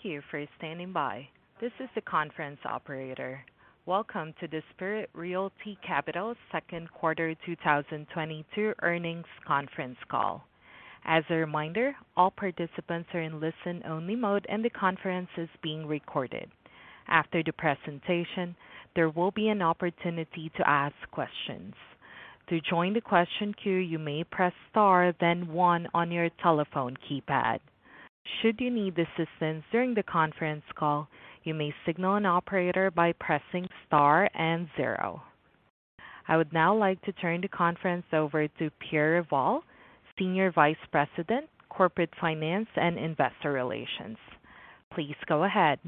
Thank you for standing by. This is the conference operator. Welcome to the Spirit Realty Capital Second Quarter 2022 earnings conference call. As a reminder, all participants are in listen-only mode, and the conference is being recorded. After the presentation, there will be an opportunity to ask questions. To join the question queue you may press star then one on your telephone keypad. Should you need assistance during the conference call, you may signal an operator by pressing star and zero. I would now like to turn the conference over to Pierre Revol, Senior Vice President, Corporate Finance, and Investor Relations. Please go ahead.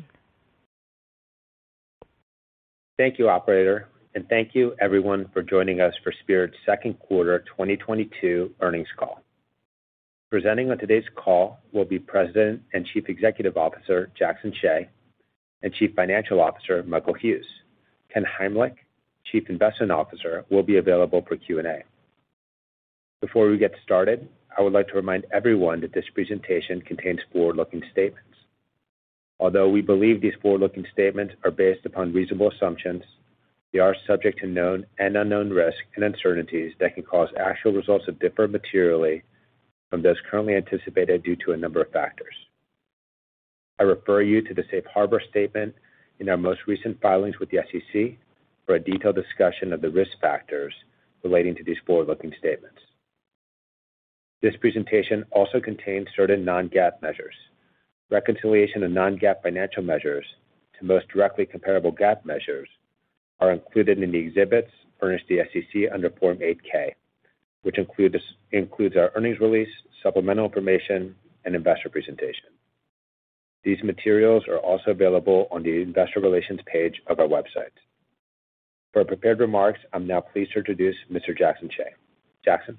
Thank you, operator, and thank you everyone for joining us for Spirit's Second Quarter 2022 Earnings Call. Presenting on today's call will be President and Chief Executive Officer Jackson Hsieh, and Chief Financial Officer Michael Hughes. Ken Heimlich, Chief Investment Officer, will be available for Q&A. Before we get started, I would like to remind everyone that this presentation contains forward-looking statements. Although we believe these forward-looking statements are based upon reasonable assumptions, they are subject to known and unknown risks and uncertainties that can cause actual results to differ materially from those currently anticipated due to a number of factors. I refer you to the safe harbor statement in our most recent filings with the SEC for a detailed discussion of the risk factors relating to these forward-looking statements. This presentation also contains certain non-GAAP measures. Reconciliation of non-GAAP financial measures to most directly comparable GAAP measures are included in the exhibits furnished to the SEC under Form 8-K, which includes our earnings release, supplemental information, and investor presentation. These materials are also available on the investor relations page of our website. For our prepared remarks, I'm now pleased to introduce Mr. Jackson Hsieh. Jackson.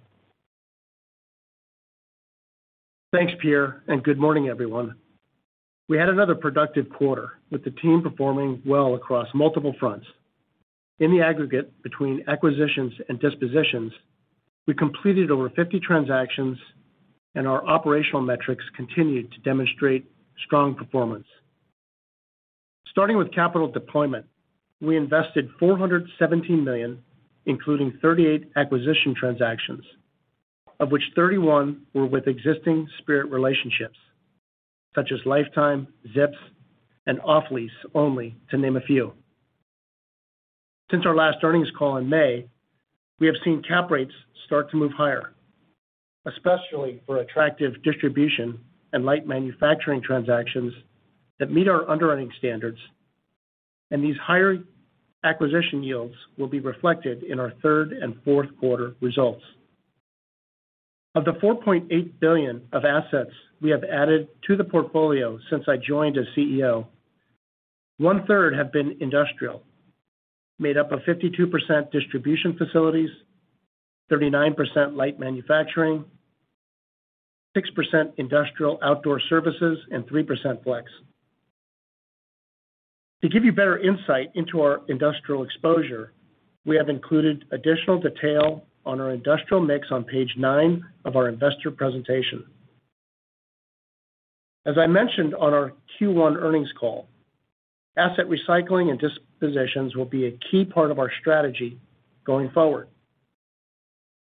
Thanks, Pierre, and good morning, everyone. We had another productive quarter, with the team performing well across multiple fronts. In the aggregate between acquisitions and dispositions, we completed over 50 transactions and our operational metrics continued to demonstrate strong performance. Starting with capital deployment, we invested $417 million, including 38 acquisition transactions, of which 31 were with existing Spirit relationships, such as Life Time, Zips, and Off Lease Only to name a few. Since our last earnings call in May, we have seen cap rates start to move higher, especially for attractive distribution and light manufacturing transactions that meet our underwriting standards, and these higher acquisition yields will be reflected in our third and fourth quarter results. Of the $4.8 billion of assets we have added to the portfolio since I joined as CEO, one-third have been industrial, made up of 52% distribution facilities, 39% light manufacturing, 6% industrial outdoor services, and 3% flex. To give you better insight into our industrial exposure, we have included additional detail on our industrial mix on page nine of our investor presentation. As I mentioned on our Q1 earnings call, asset recycling and dispositions will be a key part of our strategy going forward.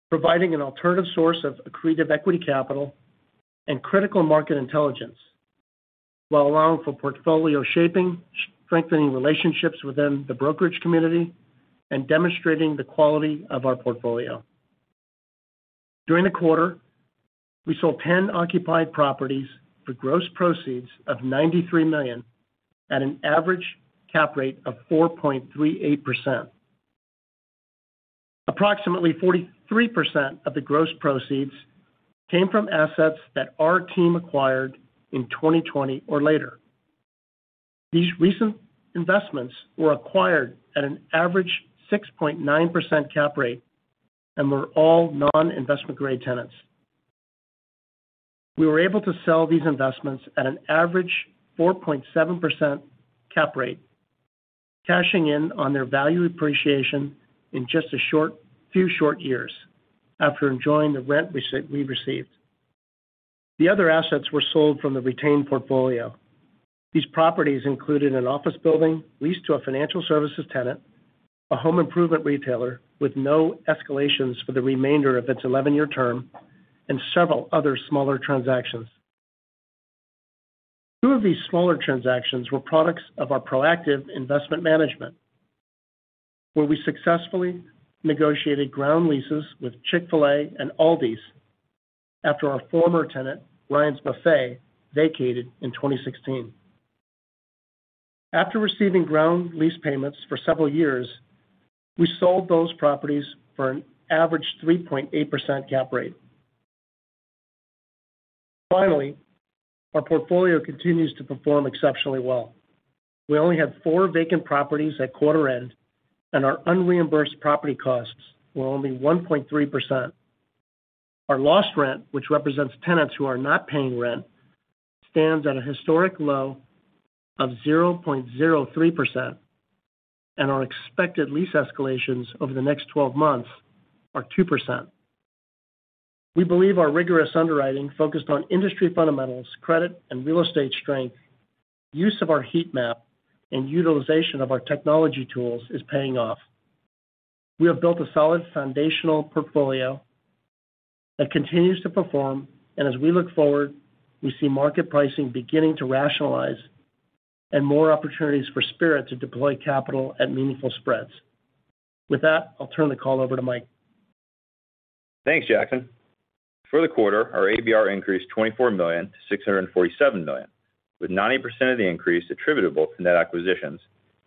Providing an alternative source of accretive equity capital and critical market intelligence while allowing for portfolio shaping, strengthening relationships within the brokerage community, and demonstrating the quality of our portfolio. During the quarter, we sold 10 occupied properties for gross proceeds of $93 million at an average cap rate of 4.38%. Approximately 43% of the gross proceeds came from assets that our team acquired in 2020 or later. These recent investments were acquired at an average 6.9% cap rate and were all non-investment grade tenants. We were able to sell these investments at an average 4.7% cap rate, cashing in on their value appreciation in just a few short years after enjoying the rent received. The other assets were sold from the retained portfolio. These properties included an office building leased to a financial services tenant, a home improvement retailer with no escalations for the remainder of its 11-year term, and several other smaller transactions. Two of these smaller transactions were products of our proactive investment management, where we successfully negotiated ground leases with Chick-fil-A and Aldi after our former tenant, Ryan's Buffet, vacated in 2016. After receiving ground lease payments for several years, we sold those properties for an average 3.8% cap rate. Finally, our portfolio continues to perform exceptionally well. We only had four vacant properties at quarter end, and our unreimbursed property costs were only 1.3%. Our lost rent, which represents tenants who are not paying rent, stands at a historic low of 0.03%, and our expected lease escalations over the next 12 months are 2%. We believe our rigorous underwriting focused on industry fundamentals, credit, and real estate strength, use of our heat map, and utilization of our technology tools is paying off. We have built a solid foundational portfolio that continues to perform. As we look forward, we see market pricing beginning to rationalize and more opportunities for Spirit to deploy capital at meaningful spreads. With that, I'll turn the call over to Mike. Thanks, Jackson. For the quarter, our ABR increased $24 million to $647 million, with 90% of the increase attributable to net acquisitions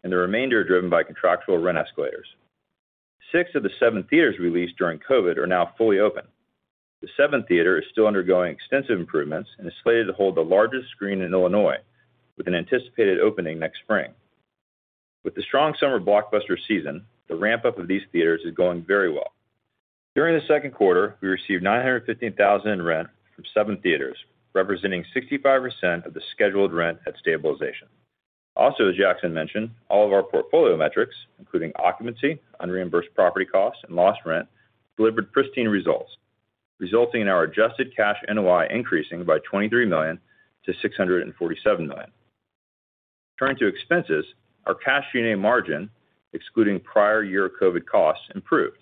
and the remainder driven by contractual rent escalators. Six of the seven theaters released during COVID are now fully open. The seventh theater is still undergoing extensive improvements and is slated to hold the largest screen in Illinois, with an anticipated opening next spring. With the strong summer blockbuster season, the ramp-up of these theaters is going very well. During the second quarter, we received $915,000 in rent from seven theaters, representing 65% of the scheduled rent at stabilization. Also, as Jackson mentioned, all of our portfolio metrics, including occupancy, unreimbursed property costs, and lost rent, delivered pristine results, resulting in our adjusted cash NOI increasing by $23 million to $647 million. Turning to expenses, our cash G&A margin, excluding prior year COVID costs, improved,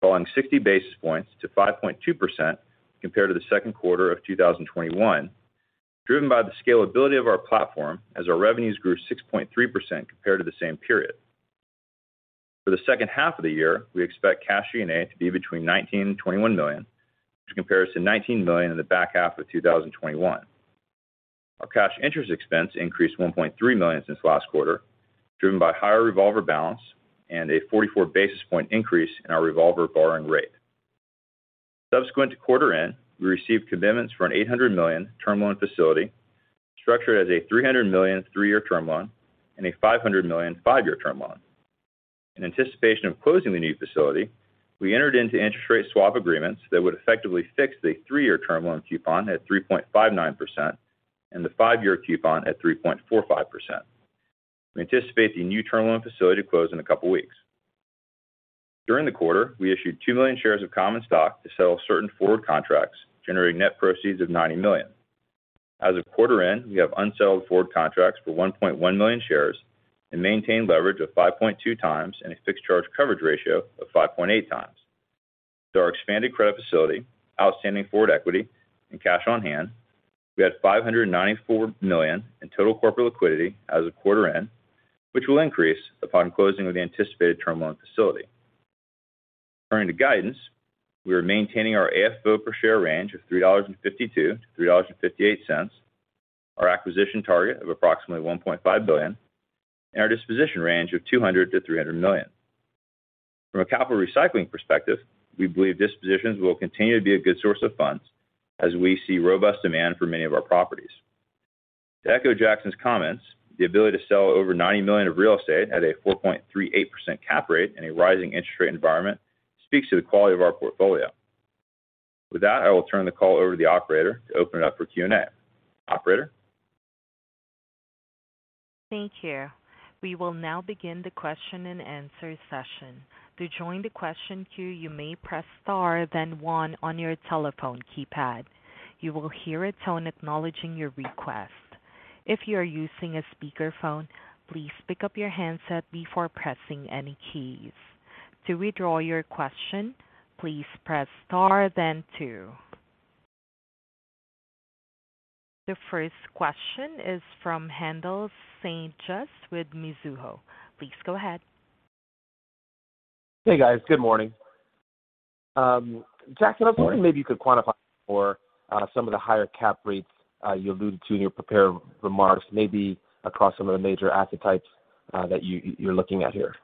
falling 60 basis points to 5.2% compared to the second quarter of 2021, driven by the scalability of our platform as our revenues grew 6.3% compared to the same period. For the second half of the year, we expect cash G&A to be between $19-$21 million, which compares to $19 million in the back half of 2021. Our cash interest expense increased $1.3 million since last quarter, driven by higher revolver balance and a 44 basis point increase in our revolver borrowing rate. Subsequent to quarter end, we received commitments for an $800 million term loan facility structured as a $300 million three-year term loan and a $500 million five-year term loan. In anticipation of closing the new facility, we entered into interest rate swap agreements that would effectively fix the three-year term loan coupon at 3.59% and the five-year coupon at 3.45%. We anticipate the new term loan facility to close in a couple of weeks. During the quarter, we issued 2 million shares of common stock to sell certain forward contracts, generating net proceeds of $90 million. As of quarter end, we have unsettled forward contracts for 1.1 million shares and maintain leverage of 5.2x and a fixed charge coverage ratio of 5.8x. With our expanded credit facility, outstanding forward equity, and cash on hand, we had $594 million in total corporate liquidity as of quarter end, which will increase upon closing of the anticipated term loan facility. Turning to guidance, we are maintaining our AFFO per share range of $3.52-$3.58, our acquisition target of approximately $1.5 billion, and our disposition range of $200 million-$300 million. From a capital recycling perspective, we believe dispositions will continue to be a good source of funds as we see robust demand for many of our properties. To echo Jackson's comments, the ability to sell over $90 million of real estate at a 4.38% cap rate in a rising interest rate environment speaks to the quality of our portfolio. With that, I will turn the call over to the operator to open it up for Q&A. Operator? Thank you. We will now begin the question-and-answer session. To join the question queue, you may press star then one on your telephone keypad. You will hear a tone acknowledging your request. If you are using a speakerphone, please pick up your handset before pressing any keys. To withdraw your question, please press star then two. The first question is from Haendel St. Juste with Mizuho. Please go ahead. Hey, guys. Good morning. Jackson Good morning. I was wondering, maybe you could quantify for some of the higher cap rates you alluded to in your prepared remarks, maybe across some of the major asset types that you're looking at here.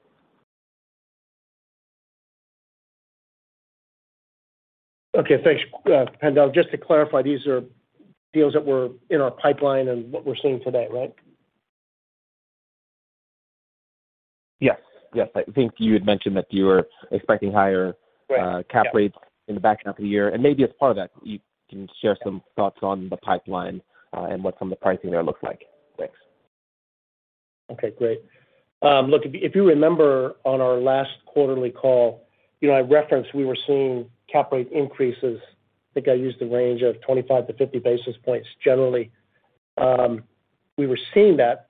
Okay. Thanks, Haendel. Just to clarify, these are deals that were in our pipeline and what we're seeing today, right? Yes. I think you had mentioned that you were expecting higher. Right. Yeah. Cap rates in the back half of the year. Maybe as part of that, you can share some thoughts on the pipeline, and what some of the pricing there looks like. Thanks. Okay, great. Look, if you remember on our last quarterly call, you know, I referenced we were seeing cap rate increases. I think I used the range of 25-50 basis points generally. We were seeing that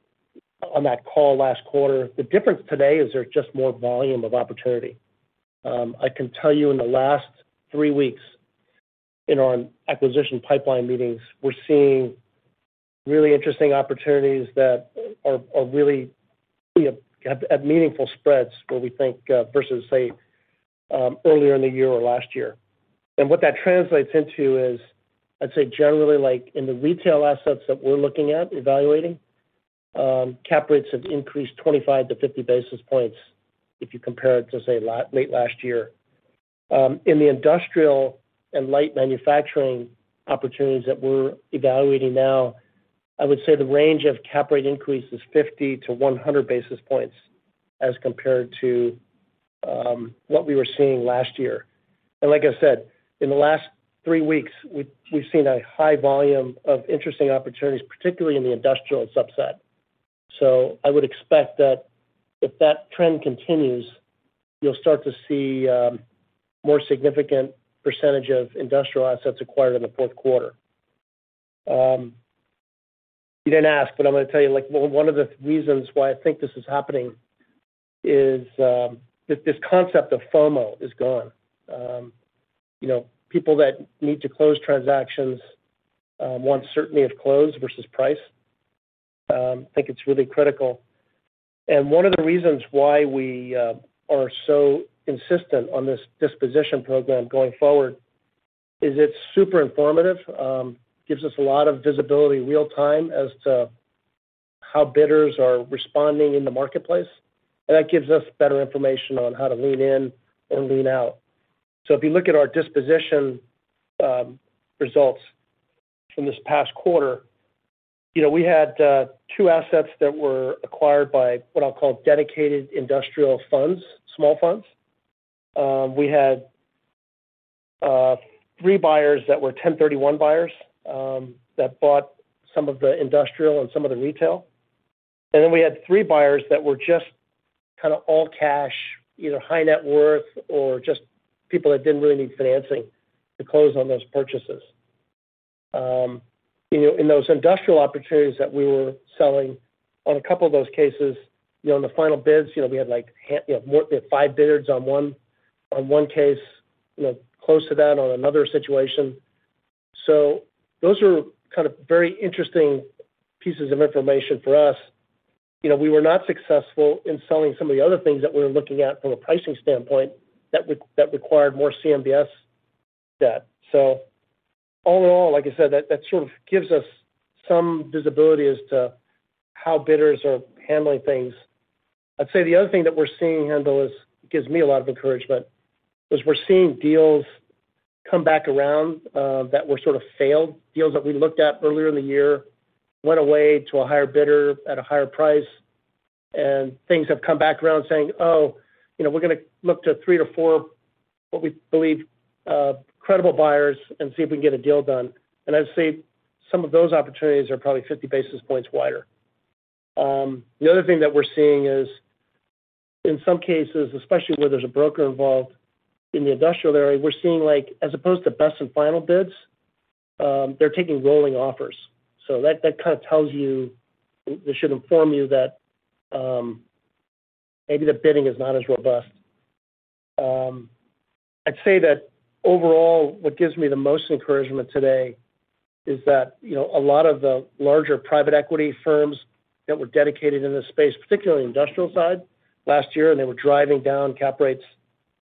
on that call last quarter. The difference today is there's just more volume of opportunity. I can tell you in the last three weeks in our acquisition pipeline meetings, we're seeing really interesting opportunities that are really at meaningful spreads where we think versus, say, earlier in the year or last year. What that translates into is, I'd say, generally like in the retail assets that we're looking at evaluating, cap rates have increased 25-50 basis points if you compare it to, say, late last year. In the industrial and light manufacturing opportunities that we're evaluating now, I would say the range of cap rate increase is 50-100 basis points as compared to what we were seeing last year. Like I said, in the last three weeks, we've seen a high volume of interesting opportunities, particularly in the industrial subset. I would expect that if that trend continues, you'll start to see more significant percentage of industrial assets acquired in the fourth quarter. You didn't ask, but I'm gonna tell you, like, well, one of the reasons why I think this is happening is this concept of FOMO is gone. You know, people that need to close transactions want certainty of close versus price. I think it's really critical. One of the reasons why we are so insistent on this disposition program going forward is it's super informative, gives us a lot of visibility real time as to how bidders are responding in the marketplace, and that gives us better information on how to lean in and lean out. If you look at our disposition results from this past quarter, you know, we had two assets that were acquired by what I'll call dedicated industrial funds, small funds. We had three buyers that were 1031 buyers that bought some of the industrial and some of the retail. We had three buyers that were just kind of all cash, either high net worth or just people that didn't really need financing to close on those purchases. You know, in those industrial opportunities that we were selling on a couple of those cases, you know, in the final bids, you know, we had like five bidders on one case, you know, close to that on another situation. Those are kind of very interesting pieces of information for us. You know, we were not successful in selling some of the other things that we were looking at from a pricing standpoint that required more CMBS debt. All in all, like I said, that sort of gives us some visibility as to how bidders are handling things. I'd say the other thing that we're seeing, and that does give me a lot of encouragement, is we're seeing deals come back around that were sort of failed deals that we looked at earlier in the year, went away to a higher bidder at a higher price, and things have come back around saying, "Oh, you know, we're gonna look to three to four, what we believe, credible buyers and see if we can get a deal done." And I'd say some of those opportunities are probably 50 basis points wider. The other thing that we're seeing is, in some cases, especially where there's a broker involved in the industrial area, we're seeing like as opposed to best and final bids, they're taking rolling offers. That kind of tells you, it should inform you that maybe the bidding is not as robust. I'd say that overall, what gives me the most encouragement today is that, you know, a lot of the larger private equity firms that were dedicated in this space, particularly industrial side last year, and they were driving down cap rates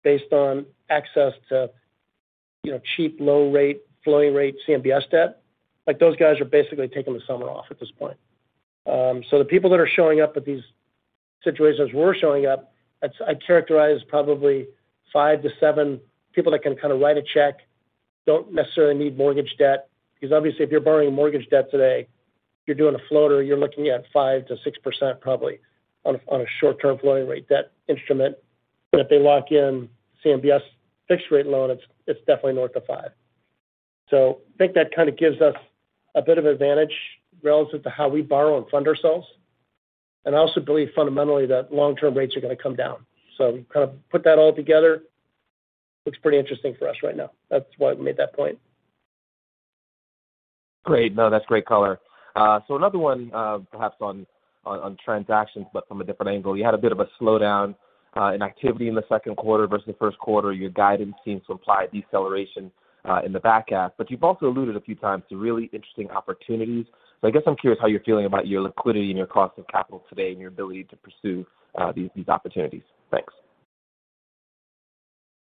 based on access to, you know, cheap, low rate, floating rate CMBS debt, like those guys are basically taking the summer off at this point. So the people that are showing up at these situations where we're showing up, that's, I characterize, probably five to seven people that can kind of write a check, don't necessarily need mortgage debt. Because obviously if you're borrowing mortgage debt today, you're doing a floater, you're looking at 5%-6% probably on a short-term floating rate debt instrument. If they lock in CMBS fixed rate loan, it's definitely north of 5%. I think that kind of gives us a bit of advantage relative to how we borrow and fund ourselves. I also believe fundamentally that long-term rates are gonna come down. Kind of put that all together, looks pretty interesting for us right now. That's why we made that point. Great. No, that's great color. Another one, perhaps on transactions, but from a different angle. You had a bit of a slowdown in activity in the second quarter versus the first quarter. Your guidance seems to imply a deceleration in the back half. You've also alluded a few times to really interesting opportunities. I guess I'm curious how you're feeling about your liquidity and your cost of capital today and your ability to pursue these opportunities. Thanks.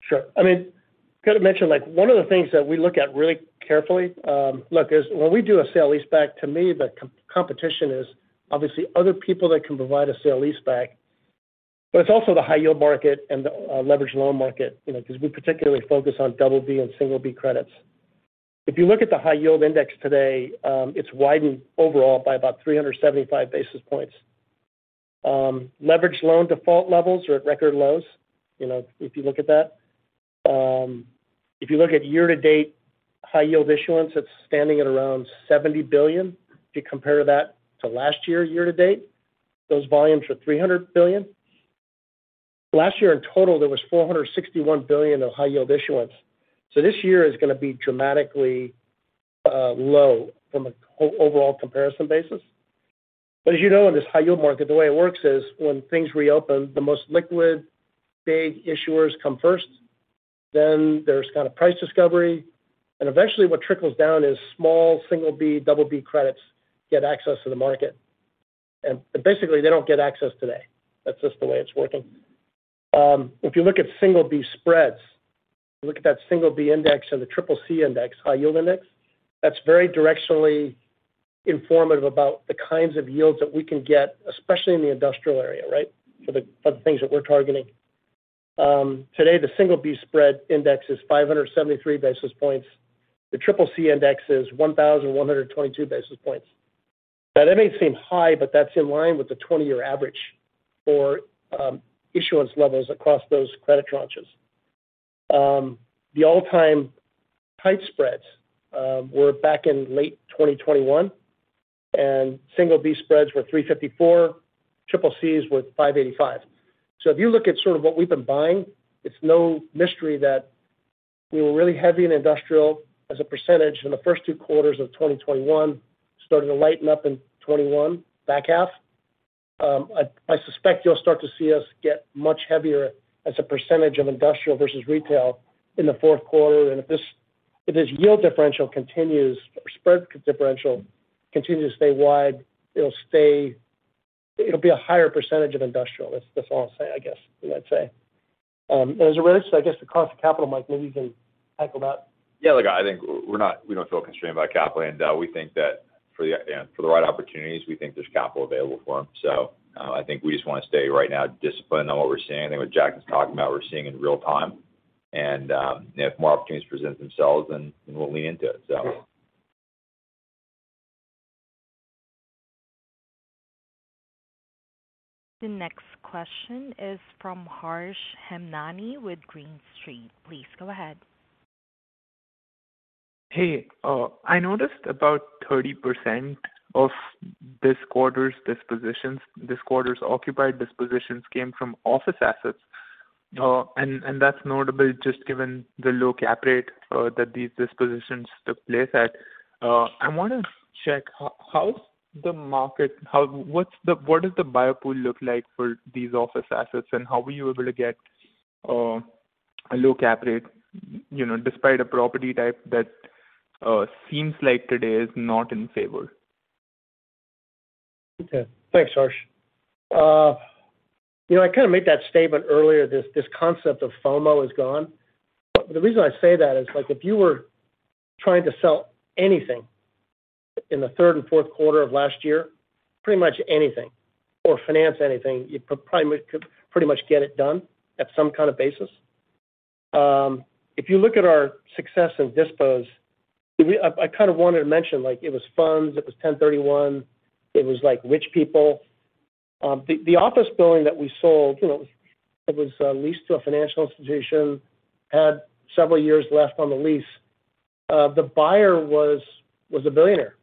Sure. I mean, gotta mention like one of the things that we look at really carefully, look, is when we do a sale leaseback, to me the competition is obviously other people that can provide a sale leaseback, but it's also the high yield market and the, leverage loan market, you know, because we particularly focus on double B and single B credits. If you look at the high yield index today, it's widened overall by about 375 basis points. Leverage loan default levels are at record lows, you know, if you look at that. If you look at year to date high yield issuance, it's standing at around $70 billion. If you compare that to last year to date, those volumes were $300 billion. Last year in total, there was $461 billion of high yield issuance. This year is gonna be dramatically low from an overall comparison basis. As you know, in this high yield market, the way it works is when things reopen, the most liquid big issuers come first, then there's kind of price discovery, and eventually what trickles down is small single B, double B credits get access to the market. Basically, they don't get access today. That's just the way it's working. If you look at single B spreads, look at that single B index or the triple C index, high yield index, that's very directionally informative about the kinds of yields that we can get, especially in the industrial area, right? For the things that we're targeting. Today, the single B spread index is 573 basis points. The triple C index is 1,122 basis points. That may seem high, but that's in line with the 20-year average for issuance levels across those credit tranches. The all-time tight spreads were back in late 2021, and single B spreads were 354, triple Cs was 585. If you look at sort of what we've been buying, it's no mystery that we were really heavy in industrial as a percentage in the first two quarters of 2021. Started to lighten up in 2021 back half. I suspect you'll start to see us get much heavier as a percentage of industrial versus retail in the fourth quarter. If this yield differential continues or spread differential continues to stay wide, it'll stay. It'll be a higher percentage of industrial. That's all I'm saying, I guess, I'd say. As a risk, I guess the cost of capital, Mike, maybe you can tackle that. Yeah. Look, I think we don't feel constrained by capital. We think that for the, you know, for the right opportunities, we think there's capital available for them. I think we just wanna stay right now disciplined on what we're seeing. I think what Jack is talking about, we're seeing in real time. You know, if more opportunities present themselves, then we'll lean into it, so. The next question is from Harsh Hemnani with Green Street. Please go ahead. Hey. I noticed about 30% of this quarter's dispositions, this quarter's occupied dispositions came from office assets. That's notable just given the low cap rate that these dispositions took place at. I wanna check how's the market. What does the buyer pool look like for these office assets, and how were you able to get a low cap rate, you know, despite a property type that seems like today is not in favor? Okay. Thanks, Harsh. You know, I kind of made that statement earlier, this concept of FOMO is gone. The reason I say that is like if you were trying to sell anything in the third and fourth quarter of last year, pretty much anything or finance anything, you probably could pretty much get it done at some kind of basis. If you look at our success in dispositions, I kind of wanted to mention like it was funds, it was 1031, it was like rich people. The office building that we sold, you know, it was leased to a financial institution, had several years left on the lease. The buyer was a billionaire.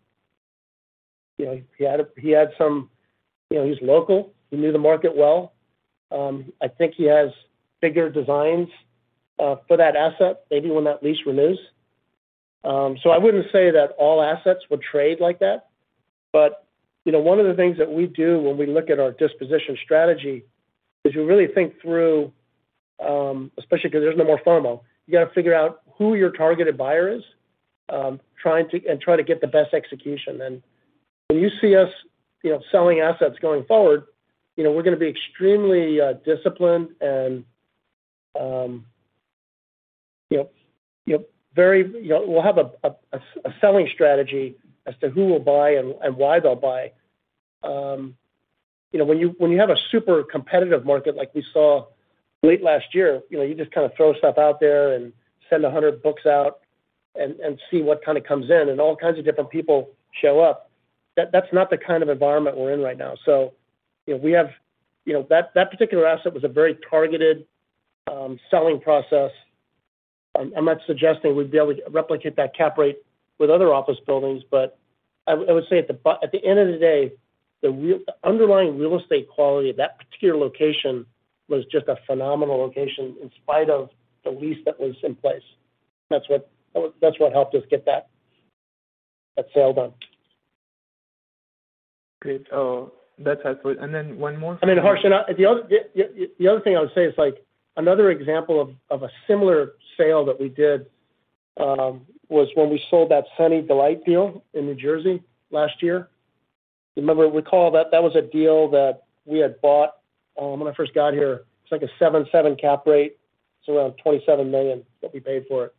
You know, he's local. He knew the market well. I think he has bigger designs for that asset maybe when that lease renews. I wouldn't say that all assets would trade like that. You know, one of the things that we do when we look at our disposition strategy is we really think through, especially 'cause there's no more FOMO. You gotta figure out who your targeted buyer is, and try to get the best execution. When you see us, you know, selling assets going forward, you know, we're gonna be extremely disciplined and, you know, very. You know, we'll have a selling strategy as to who will buy and why they'll buy. You know, when you have a super competitive market like we saw late last year, you know, you just kind of throw stuff out there and send 100 books out and see what kind of comes in, and all kinds of different people show up. That's not the kind of environment we're in right now. You know, that particular asset was a very targeted selling process. I'm not suggesting we'd be able to replicate that cap rate with other office buildings, but I would say at the end of the day, the underlying real estate quality of that particular location was just a phenomenal location in spite of the lease that was in place. That's what helped us get that sale done. Great. That's helpful. One more. I mean, Harsh. The other thing I would say is like another example of a similar sale that we did, was when we sold that Sunny Delight deal in New Jersey last year. Remember, recall that that was a deal that we had bought when I first got here. It's like a 7.7 cap rate, so around $27 million that we paid for it.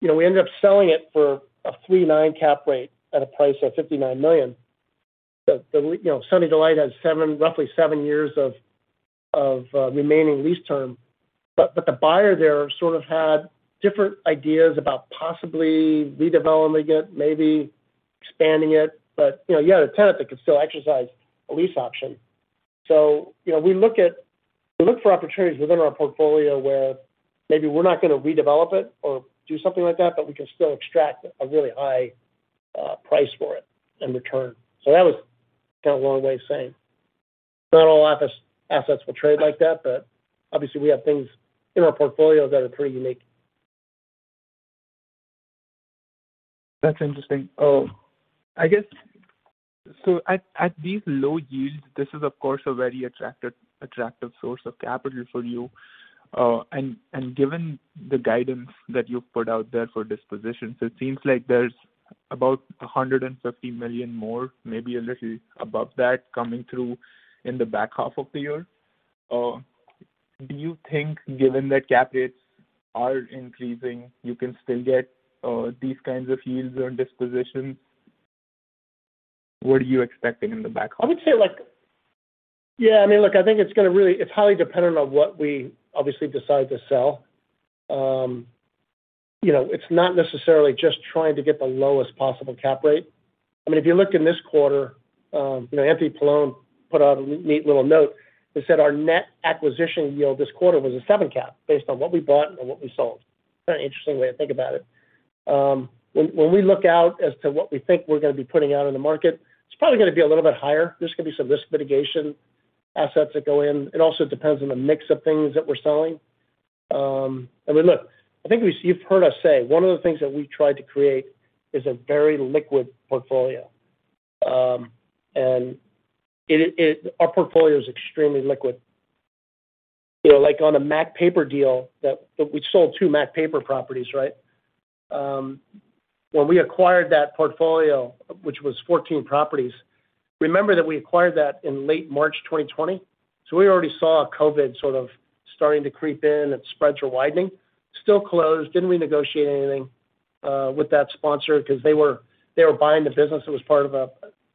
You know, we ended up selling it for a 3.9 cap rate at a price of $59 million. You know, Sunny Delight has seven, roughly seven years of remaining lease term, but the buyer there sort of had different ideas about possibly redeveloping it, maybe expanding it. You know, you had a tenant that could still exercise a lease option. You know, we look for opportunities within our portfolio where maybe we're not gonna redevelop it or do something like that, but we can still extract a really high price for it in return. That was kind of a long way of saying not all office assets will trade like that, but obviously we have things in our portfolio that are pretty unique. That's interesting. At these low yields, this is of course a very attractive source of capital for you. Given the guidance that you've put out there for dispositions, it seems like there's about $150 million more, maybe a little above that coming through in the back half of the year. Do you think given that cap rates are increasing, you can still get these kinds of yields on dispositions? What are you expecting in the back half? I would say, yeah, I mean, look, I think it's highly dependent on what we obviously decide to sell. You know, it's not necessarily just trying to get the lowest possible cap rate. I mean, if you look in this quarter, you know, Anthony Paolone put out a neat little note that said our net acquisition yield this quarter was a seven cap based on what we bought and what we sold. Kind of interesting way to think about it. When we look out as to what we think we're gonna be putting out in the market, it's probably gonna be a little bit higher. There's gonna be some risk mitigation assets that go in. It also depends on the mix of things that we're selling. I mean, look, I think you've heard us say one of the things that we tried to create is a very liquid portfolio. Our portfolio is extremely liquid. You know, like on a Mac Papers deal that we sold two Mac Papers properties, right? When we acquired that portfolio, which was 14 properties, remember that we acquired that in late March 2020, so we already saw COVID sort of starting to creep in and spreads were widening. Still, closed, didn't renegotiate anything with that sponsor 'cause they were buying the business. It was part of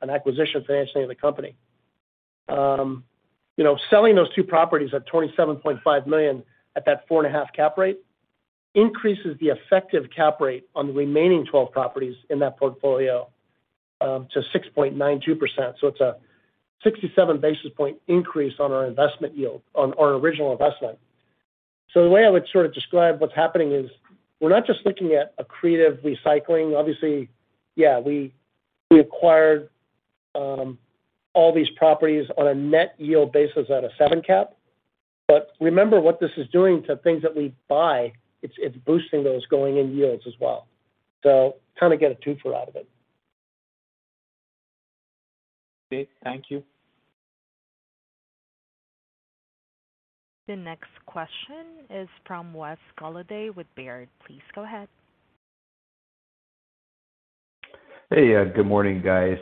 an acquisition financing of the company. You know, selling those two properties at $27.5 million at that 4.5 cap rate increases the effective cap rate on the remaining 12 properties in that portfolio to 6.92%. It's a 67 basis point increase on our investment yield on our original investment. The way I would sort of describe what's happening is we're not just looking at accretive recycling. Obviously, yeah, we acquired all these properties on a net yield basis at a seven cap. But remember what this is doing to things that we buy, it's boosting those going in yields as well. Kind of get a two-for-one out of it. Great. Thank you. The next question is from Wes Golladay with Baird. Please go ahead. Hey, good morning, guys.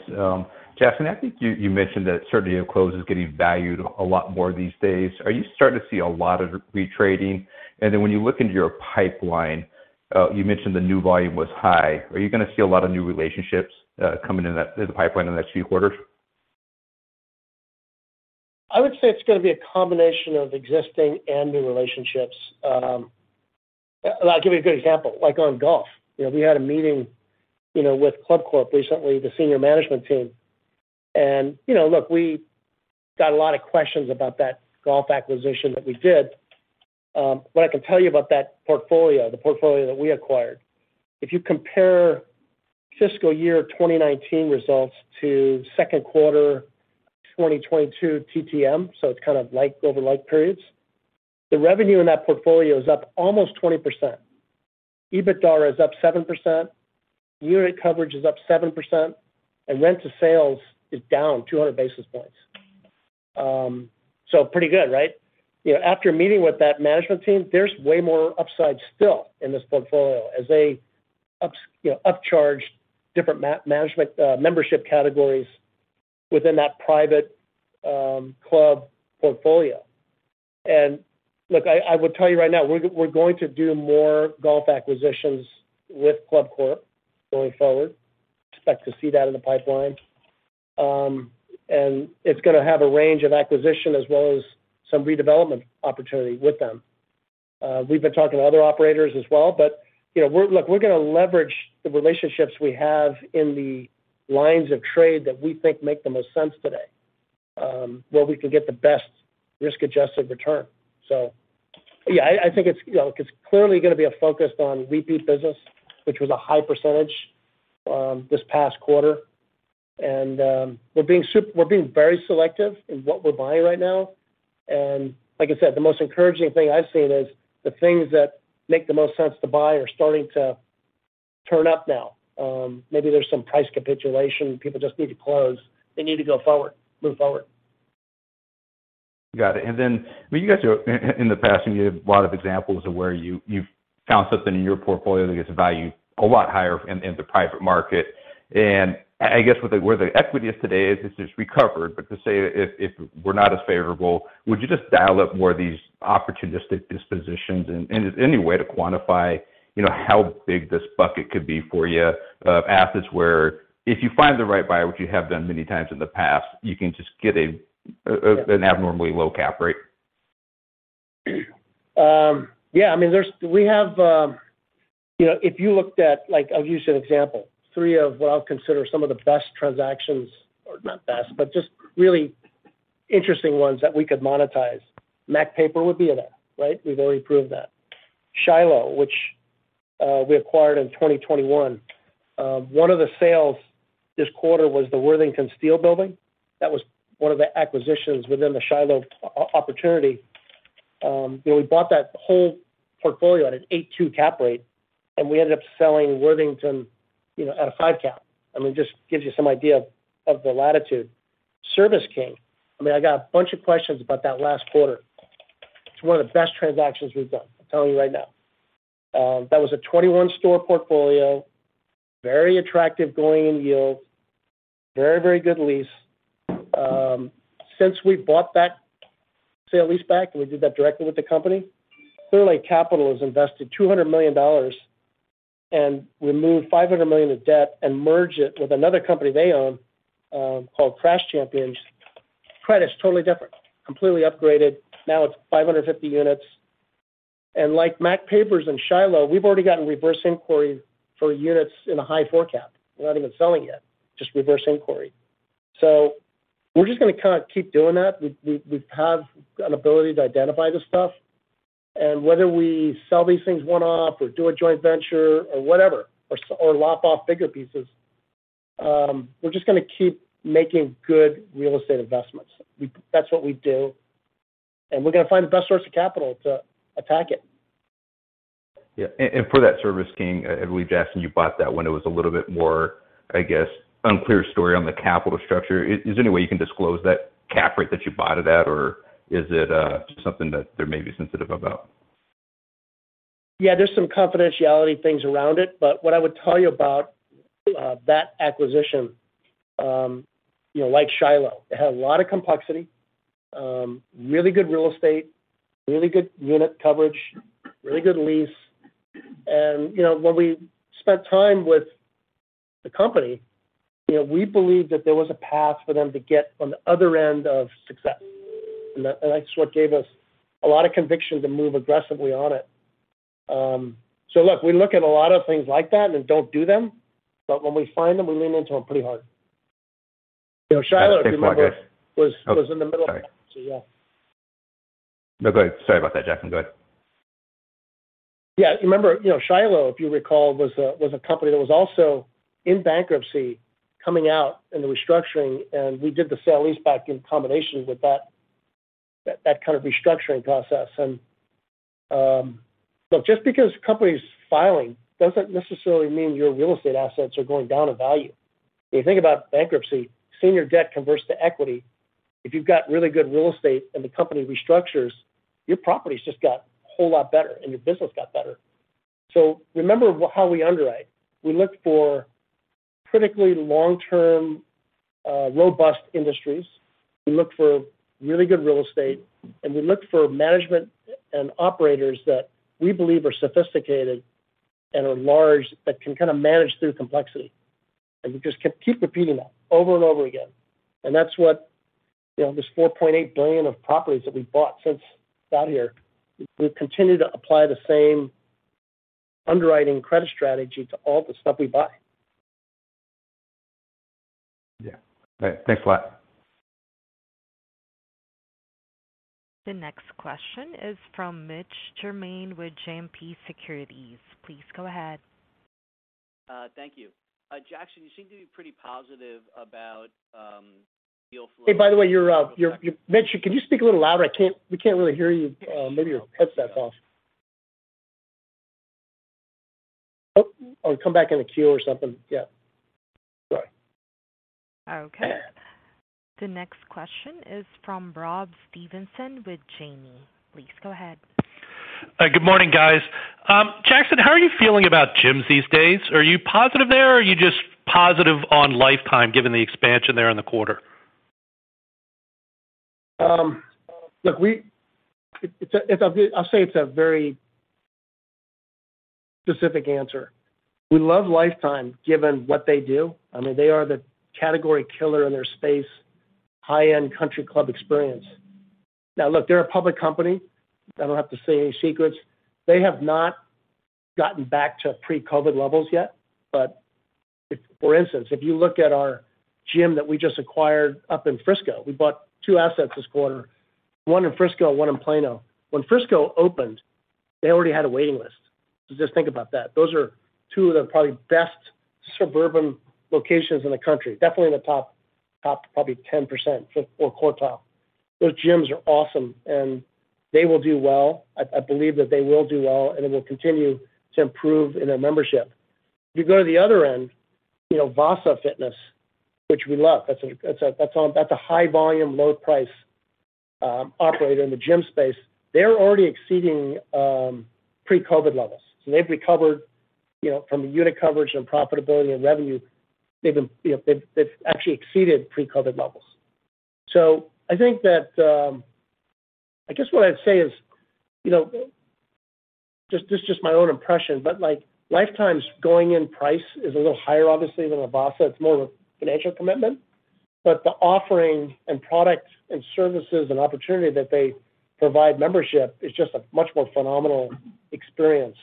Jackson, I think you mentioned that certainty of close is getting valued a lot more these days. Are you starting to see a lot of re-trading? When you look into your pipeline, you mentioned the new volume was high. Are you gonna see a lot of new relationships, coming in that, in the pipeline in the next few quarters? I would say it's gonna be a combination of existing and new relationships. I'll give you a good example, like on golf. You know, we had a meeting, you know, with Invited recently, the senior management team. You know, look, we got a lot of questions about that golf acquisition that we did. What I can tell you about that portfolio, the portfolio that we acquired. If you compare FY 2019 results to second quarter 2022 TTM, so it's kind of like over like periods. The revenue in that portfolio is up almost 20%. EBITDA is up 7%. Unit coverage is up 7%, and rent to sales is down 200 basis points. Pretty good, right? You know, after meeting with that management team, there's way more upside still in this portfolio as they upcharge, you know, different management membership categories within that private club portfolio. Look, I will tell you right now, we're going to do more golf acquisitions with Invited going forward. Expect to see that in the pipeline. It's gonna have a range of acquisition as well as some redevelopment opportunity with them. We've been talking to other operators as well, but you know, we're gonna leverage the relationships we have in the lines of trade that we think make the most sense today, where we can get the best risk-adjusted return. Yeah, I think it's, you know, it's clearly gonna be a focus on repeat business, which was a high percentage this past quarter. We're being very selective in what we're buying right now. Like I said, the most encouraging thing I've seen is the things that make the most sense to buy are starting to turn up now. Maybe there's some price capitulation. People just need to close. They need to go forward, move forward. Got it. Then, I mean, you guys are in the past, and you have a lot of examples of where you've found something in your portfolio that gets valued a lot higher in the private market. I guess where the equity is today is, it's just recovered. To say if we're not as favorable, would you just dial up more of these opportunistic dispositions? Is there any way to quantify, you know, how big this bucket could be for you of assets where if you find the right buyer, which you have done many times in the past, you can just get an abnormally low cap rate? Yeah, I mean, we have, you know, if you looked at, I'll use an example. Three of what I'll consider some of the best transactions, or not best, but just really interesting ones that we could monetize. Mac Papers would be in that, right? We've already proved that. Shiloh, which we acquired in 2021. One of the sales this quarter was the Worthington Steel building. That was one of the acquisitions within the Shiloh opportunity. You know, we bought that whole portfolio at an 8.2% cap rate, and we ended up selling Worthington, you know, at a 5% cap. I mean, just gives you some idea of the latitude. Service King, I mean, I got a bunch of questions about that last quarter. It's one of the best transactions we've done. I'm telling you right now. That was a 21-store portfolio, very attractive going in yield. Very, very good lease. Since we bought back sale-leaseback, we did that directly with the company. Clearlake Capital has invested $200 million and removed $500 million of debt and merged it with another company they own, called Crash Champions. Credit's totally different. Completely upgraded. Now it's 550 units. Like Mac Papers and Shiloh, we've already gotten reverse inquiry for units in a high 4% cap. We're not even selling yet, just reverse inquiry. We're just gonna kinda keep doing that. We have an ability to identify this stuff, and whether we sell these things one-off or do a joint venture or whatever, or lop off bigger pieces, we're just gonna keep making good real estate investments. That's what we do, and we're gonna find the best source of capital to attack it. For that Service King, I believe, Jackson, you bought that when it was a little bit more, I guess, unclear story on the capital structure. Is there any way you can disclose that cap rate that you bought it at? Or is it something that they may be sensitive about? Yeah, there's some confidentiality things around it. What I would tell you about that acquisition, you know, like Shiloh, it had a lot of complexity, really good real estate, really good unit coverage, really good lease. You know, when we spent time with the company, you know, we believed that there was a path for them to get on the other end of success. That's what gave us a lot of conviction to move aggressively on it. Look, we look at a lot of things like that and don't do them, but when we find them, we lean into them pretty hard. You know, Shiloh, if you remember. Thanks a lot, guys. Was in the middle of that. Oh, sorry. Yeah. No, go ahead. Sorry about that, Jackson. Go ahead. Yeah. Remember, you know, Shiloh, if you recall, was a company that was also in bankruptcy coming out in the restructuring, and we did the sale leaseback in combination with that kind of restructuring process. Look, just because a company's filing doesn't necessarily mean your real estate assets are going down in value. When you think about bankruptcy, senior debt converts to equity. If you've got really good real estate and the company restructures, your property's just got a whole lot better and your business got better. Remember how we underwrite. We look for critically long-term robust industries. We look for really good real estate, and we look for management and operators that we believe are sophisticated and are large, that can kind of manage through complexity. We just keep repeating that over and over again. That's what You know, this $4.8 billion of properties that we've bought since I got here, we've continued to apply the same underwriting credit strategy to all the stuff we buy. Yeah. All right. Thanks a lot. The next question is from Mitch Germain with JMP Securities. Please go ahead. Thank you. Jackson, you seem to be pretty positive about deal flow. Hey, by the way, you're Mitch, can you speak a little louder? We can't really hear you. Maybe your headset's off. Oh. Or come back in the queue or something. Yeah. Sorry. Okay. The next question is from Rob Stevenson with Janney. Please go ahead. Good morning, guys. Jackson, how are you feeling about gyms these days? Are you positive there, or are you just positive on Life Time, given the expansion there in the quarter? I'll say it's a very specific answer. We love Life Time, given what they do. I mean, they are the category killer in their space, high-end country club experience. Now, look, they're a public company. I don't have to say any secrets. They have not gotten back to pre-COVID levels yet. But if, for instance, if you look at our gym that we just acquired up in Frisco, we bought two assets this quarter, one in Frisco and one in Plano. When Frisco opened, they already had a waiting list. So just think about that. Those are two of the probably best suburban locations in the country, definitely in the top probably 10% or quartile. Those gyms are awesome, and they will do well. I believe that they will do well, and it will continue to improve in their membership. If you go to the other end, you know, Vasa Fitness, which we love, that's a high volume, low price operator in the gym space. They're already exceeding pre-COVID levels. They've recovered, you know, from the unit coverage and profitability and revenue. They've actually exceeded pre-COVID levels. I think that I guess what I'd say is, you know, just, this just my own impression, but, like, Life Time's going in price is a little higher, obviously, than a Vasa. It's more of a financial commitment. The offering and products and services and opportunity that they provide membership is just a much more phenomenal experience.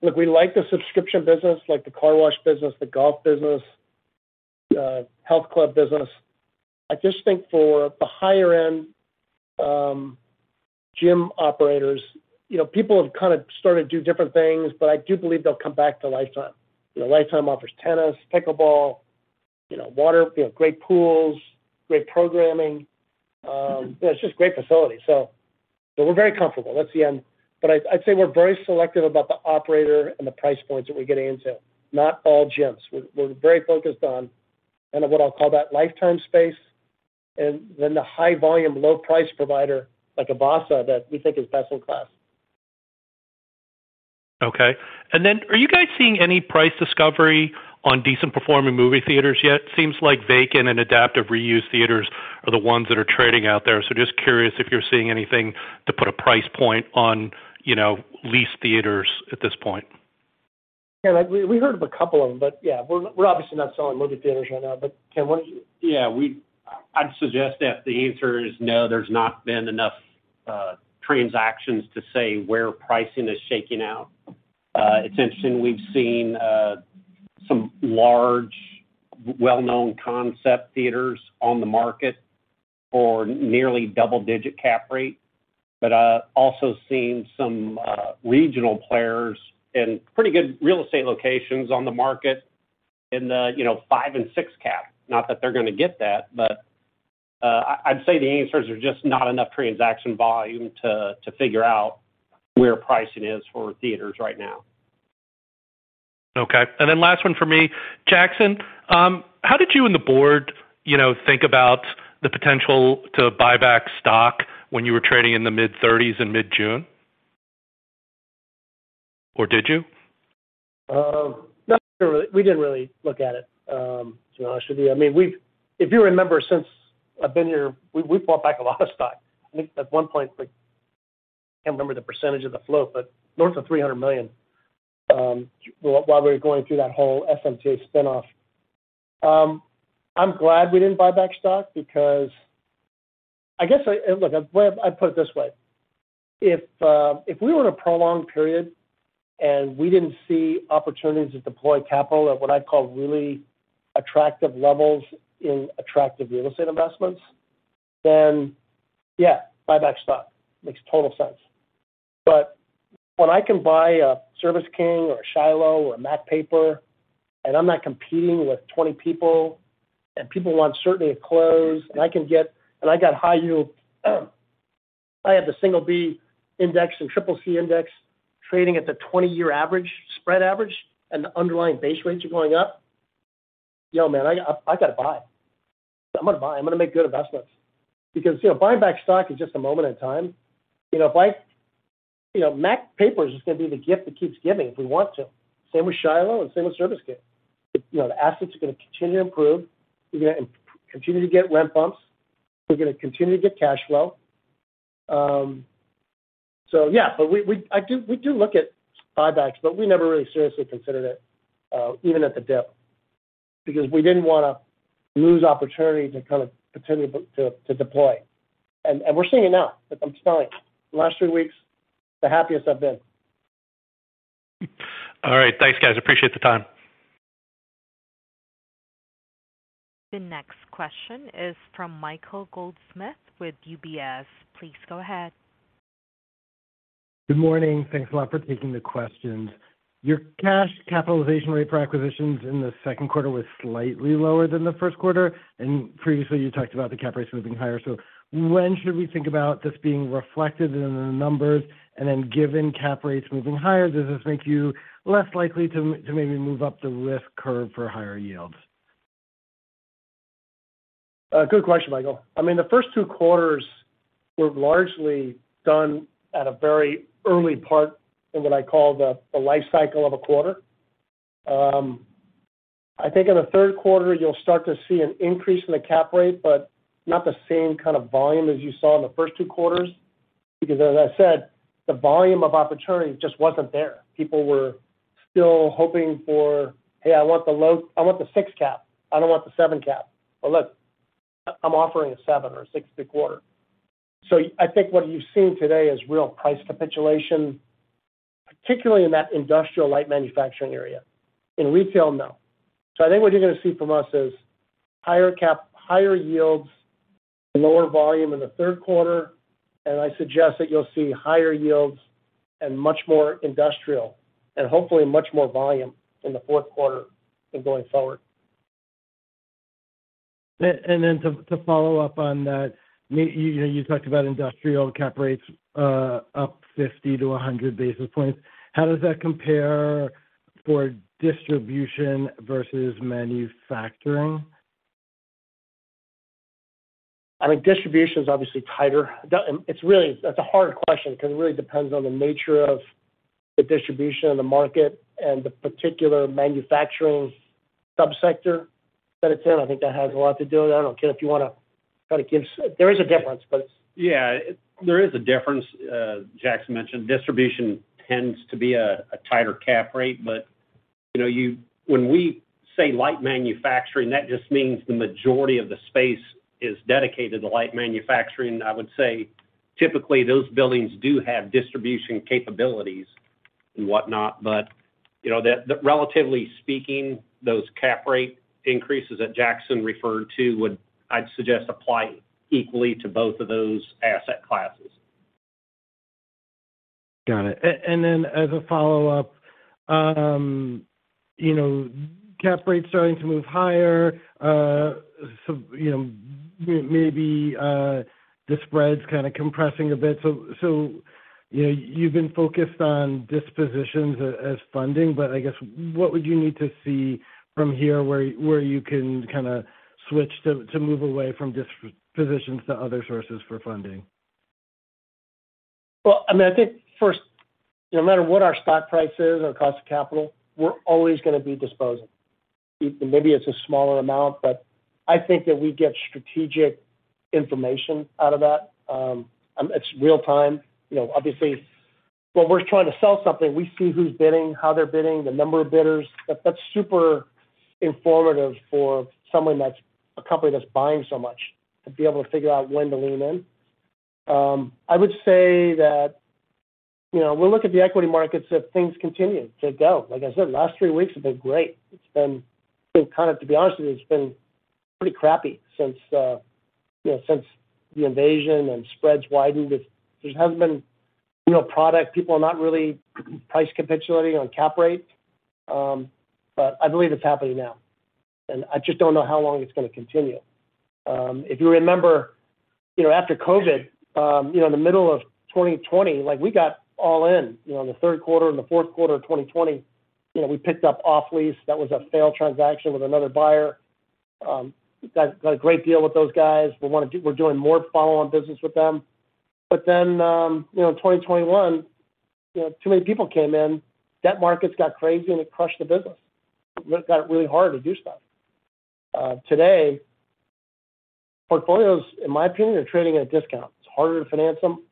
Look, we like the subscription business, like the car wash business, the golf business, the health club business. I just think for the higher end, gym operators, you know, people have kind of started to do different things, but I do believe they'll come back to Life Time. You know, Life Time offers tennis, pickleball, you know, water, you know, great pools, great programming. You know, it's just great facilities. We're very comfortable. That's the end. I'd say we're very selective about the operator and the price points that we're getting into. Not all gyms. We're very focused on kind of what I'll call that Life Time space and then the high volume, low price provider like a Vasa that we think is best in class. Okay. Are you guys seeing any price discovery on decent performing movie theaters yet? Seems like vacant and adaptive reuse theaters are the ones that are trading out there. Just curious if you're seeing anything to put a price point on, you know, leased theaters at this point? Yeah, we heard of a couple of them, but yeah, we're obviously not selling movie theaters right now. Ken, what did you- Yeah, I'd suggest that the answer is no, there's not been enough transactions to say where pricing is shaking out. It's interesting, we've seen some large well-known concept theaters on the market for nearly double-digit cap rate, but also seen some regional players in pretty good real estate locations on the market in the, you know, 5% and 6% cap. Not that they're gonna get that, but I'd say the answers are just not enough transaction volume to figure out where pricing is for theaters right now. Okay. Last one for me. Jackson, how did you and the board, you know, think about the potential to buy back stock when you were trading in the mid-30s in mid-June? Did you? No, we didn't really look at it, to be honest with you. I mean, if you remember, since I've been here, we've bought back a lot of stock. I think at one point, like, I can't remember the percentage of the float, but north of $300 million while we were going through that whole SMT spin-off. I'm glad we didn't buy back stock because I guess. Look, well, I'd put it this way. If we were in a prolonged period and we didn't see opportunities to deploy capital at what I'd call really attractive levels in attractive real estate investments, then yeah, buy back stock. Makes total sense. When I can buy a Service King or a Shiloh or a Mac Papers, and I'm not competing with 20 people, and people want certainty of close, and I can get high yield. I have the single B index and triple C index trading at the 20-year average, spread average, and the underlying base rates are going up. Yo, man, I gotta buy. I'm gonna buy. I'm gonna make good investments. Because, you know, buying back stock is just a moment in time. You know, Mac Papers is just gonna be the gift that keeps giving if we want to. Same with Shiloh and same with Service King. You know, the assets are gonna continue to improve. We're gonna continue to get rent bumps. We're gonna continue to get cash flow. So yeah. We do look at buybacks, but we never really seriously considered it, even at the dip, because we didn't wanna lose opportunity to kind of potentially to deploy. We're seeing it now. Look, I'm telling you, the last three weeks, the happiest I've been. All right. Thanks, guys. Appreciate the time. The next question is from Michael Goldsmith with UBS. Please go ahead. Good morning. Thanks a lot for taking the questions. Your cash capitalization rate for acquisitions in the second quarter was slightly lower than the first quarter, and previously you talked about the cap rates moving higher. When should we think about this being reflected in the numbers? Given cap rates moving higher, does this make you less likely to maybe move up the risk curve for higher yields? Good question, Michael. I mean, the first two quarters were largely done at a very early part in what I call the life cycle of a quarter. I think in the third quarter you'll start to see an increase in the cap rate, but not the same kind of volume as you saw in the first two quarters, because as I said, the volume of opportunity just wasn't there. People were still hoping for, "Hey, I want the low. I want the six cap. I don't want the seven cap." Well, look, I'm offering a seven or a six and a quarter. So I think what you've seen today is real price capitulation, particularly in that industrial light manufacturing area. In retail, no. I think what you're gonna see from us is higher cap, higher yields, lower volume in the third quarter, and I suggest that you'll see higher yields and much more industrial and hopefully much more volume in the fourth quarter and going forward. Then to follow up on that, you know, you talked about industrial cap rates up 50-100 basis points. How does that compare for distribution versus manufacturing? I mean, distribution is obviously tighter. That's a hard question because it really depends on the nature of the distribution and the market and the particular manufacturing subsector that it's in. I think that has a lot to do with that. I don't know, Ken, if you wanna try to give. There is a difference, but. Yeah. There is a difference, Jackson mentioned. Distribution tends to be a tighter cap rate. You know, when we say light manufacturing, that just means the majority of the space is dedicated to light manufacturing. I would say typically those buildings do have distribution capabilities and whatnot. You know, relatively speaking, those cap rate increases that Jackson referred to would, I'd suggest, apply equally to both of those asset classes. Got it. As a follow-up, you know, cap rates starting to move higher, so you know, maybe the spread's kind of compressing a bit. You've been focused on dispositions as funding, but I guess what would you need to see from here where you can kinda switch to move away from dispositions to other sources for funding? Well, I mean, I think first, no matter what our stock price is or cost of capital, we're always gonna be disposing. Maybe it's a smaller amount, but I think that we get strategic information out of that. It's real-time. You know, obviously, when we're trying to sell something, we see who's bidding, how they're bidding, the number of bidders. That's super informative for someone that's a company that's buying so much to be able to figure out when to lean in. I would say that, you know, we'll look at the equity markets if things continue to go. Like I said, last three weeks have been great. It's been kind of. To be honest with you, it's been pretty crappy since, you know, since the invasion and spreads widened. There hasn't been, you know, product. People are not really price capitulating on cap rates. I believe it's happening now, and I just don't know how long it's gonna continue. If you remember, you know, after COVID, you know, in the middle of 2020, like, we got all in, you know, in the third quarter and the fourth quarter of 2020. You know, we picked up off-lease. That was a failed transaction with another buyer. Got a great deal with those guys. We're doing more follow-on business with them. Then, you know, in 2021, you know, too many people came in, debt markets got crazy, and it crushed the business. It got really hard to do stuff. Today, portfolios, in my opinion, are trading at a discount. It's harder to finance them.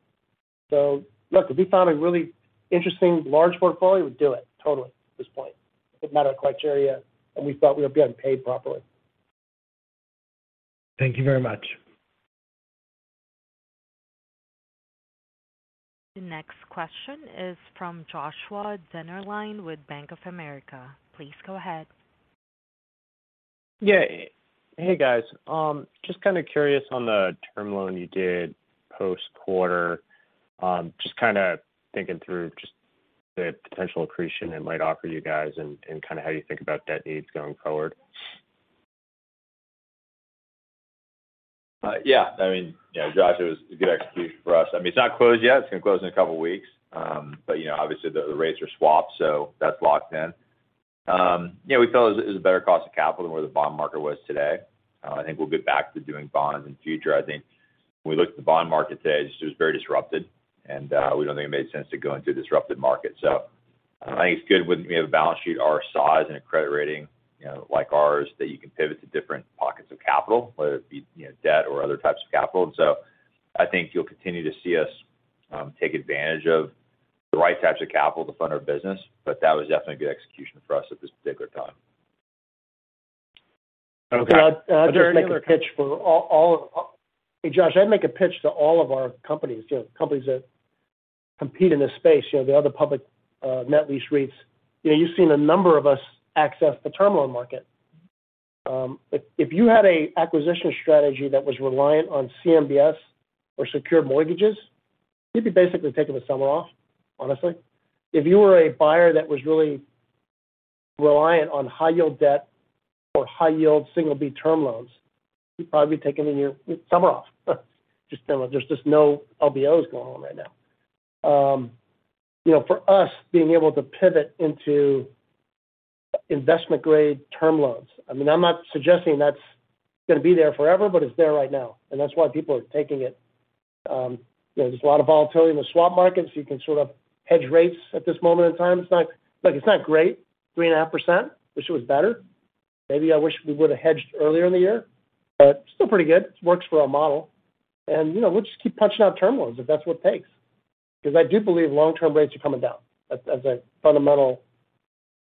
Look, if we found a really interesting large portfolio, we'd do it, totally, at this point. It met our criteria, and we felt we were getting paid properly. Thank you very much. The next question is from Joshua Dennerlein with Bank of America. Please go ahead. Yeah. Hey, guys. Just kinda curious on the term loan you did post-quarter. Just kinda thinking through just the potential accretion it might offer you guys and kinda how you think about debt needs going forward. Yeah. I mean, you know, Joshua, it was a good execution for us. I mean, it's not closed yet. It's gonna close in a couple of weeks. But, you know, obviously the rates are swapped, so that's locked in. Yeah, we felt it was a better cost of capital than where the bond market was today. I think we'll get back to doing bonds in future. I think when we looked at the bond market today, it just was very disrupted, and we don't think it made sense to go into a disrupted market. I think it's good when we have a balance sheet our size and a credit rating, you know, like ours, that you can pivot to different pockets of capital, whether it be, you know, debt or other types of capital. I think you'll continue to see us take advantage of the right types of capital to fund our business, but that was definitely a good execution for us at this particular time. Okay. Hey, Josh, I'd make a pitch to all of our companies, you know, companies that compete in this space, you know, the other public net lease REITs. You know, you've seen a number of us access the term loan market. If you had a acquisition strategy that was reliant on CMBS or secured mortgages, you'd be basically taking the summer off, honestly. If you were a buyer that was really reliant on high-yield debt or high-yield single B term loans, you'd probably be taking the whole summer off. Just term loans. There's just no LBOs going on right now. For us being able to pivot into investment-grade term loans, I mean, I'm not suggesting that's gonna be there forever, but it's there right now, and that's why people are taking it. You know, there's a lot of volatility in the swap markets. You can sort of hedge rates at this moment in time. It's not like, it's not great, 3.5%. Wish it was better. Maybe I wish we would've hedged earlier in the year, but still pretty good. Works for our model. You know, we'll just keep punching out term loans if that's what it takes. I do believe long-term rates are coming down as a fundamental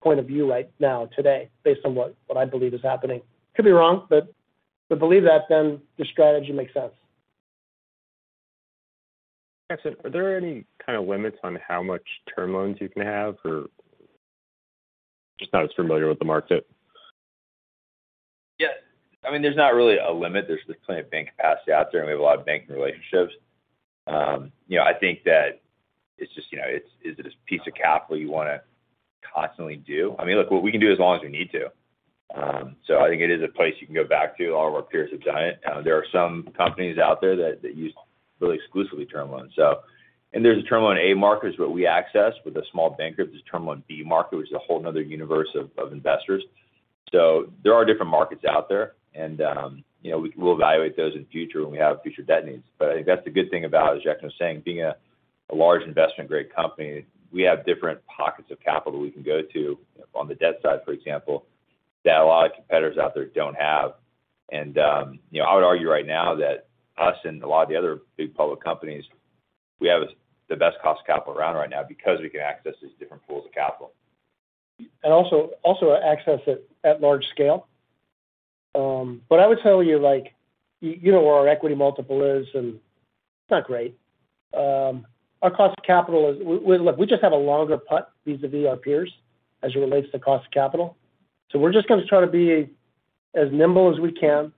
point of view right now today based on what I believe is happening. Could be wrong, but believe that, then the strategy makes sense. Jackson, are there any kind of limits on how much term loans you can have? Or just not as familiar with the market. Yeah. I mean, there's not really a limit. There's just plenty of bank capacity out there, and we have a lot of banking relationships. You know, I think that it's just, you know, is it a piece of capital you wanna constantly do? I mean, look, what we can do as long as we need to. I think it is a place you can go back to. All of our peers have done it. There are some companies out there that use really exclusively term loans. There's a Term Loan A market is what we access with a small bank, there's this Term Loan B market, which is a whole 'nother universe of investors. There are different markets out there, and, you know, we'll evaluate those in future when we have future debt needs. I think that's the good thing about, as Jackson was saying, being a large investment-grade company. We have different pockets of capital we can go to on the debt side, for example, that a lot of competitors out there don't have. You know, I would argue right now that us and a lot of the other big public companies, we have the best cost of capital around right now because we can access these different pools of capital. Access it at large scale. I would tell you, like, you know where our equity multiple is, and it's not great. Our cost of capital is. We just have a longer putt vis-à-vis our peers as it relates to cost of capital. We're just gonna try to be as nimble as we can.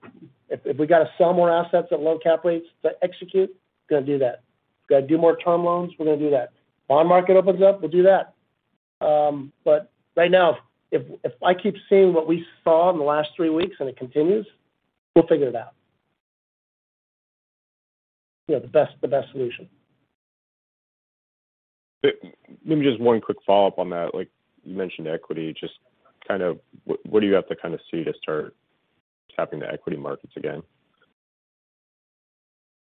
If we gotta sell more assets at low cap rates to execute, gonna do that. If we gotta do more term loans, we're gonna do that. Bond market opens up, we'll do that. Right now, if I keep seeing what we saw in the last three weeks and it continues, we'll figure it out. You know, the best solution. Maybe just one quick follow-up on that. Like, you mentioned equity. Just kind of what do you have to kinda see to start tapping the equity markets again?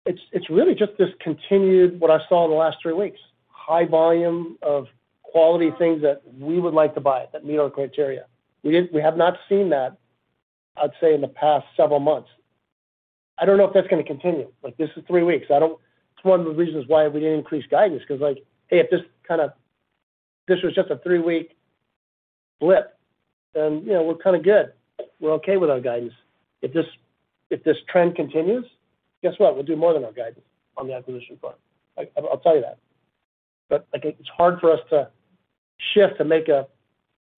It's really just this continued what I saw in the last three weeks. High volume of quality things that we would like to buy, that meet our criteria. We have not seen that, I'd say, in the past several months. I don't know if that's gonna continue. Like, this is three weeks. It's one of the reasons why we didn't increase guidance, 'cause, like, hey, if this kind of this was just a three-week blip, then, you know, we're kind of good. We're okay with our guidance. If this trend continues, guess what? We'll do more than our guidance on the acquisition front. I'll tell you that. Again, it's hard for us to shift and make a